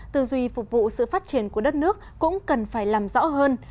tư duy phục vụ sự phát triển của đất nước cũng cần phải làm rõ hơn